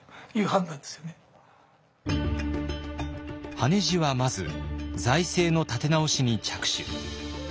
羽地はまず財政の立て直しに着手。